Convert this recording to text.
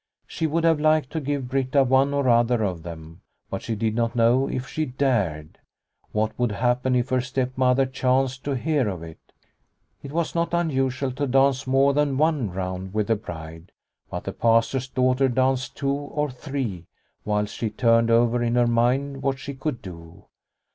She would have liked to give Britta one or other of them, but she did not know if she dared. What would happen if her stepmother chanced to hear of it ? It was not unusual to dance more than one round with the bride, but the Pastor's daughter danced two or three, whilst she turned over in her mind what she could do.